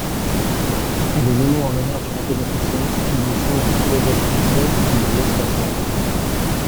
Elle est nommée en l'honneur du mathématicien, physicien et philosophe français du Blaise Pascal.